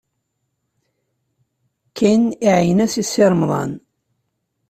Ken iɛeyyen-as i Si Remḍan.